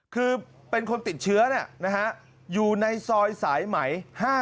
คือเป็นคนติดเชื้ออยู่ในซอยสายไหม๕๗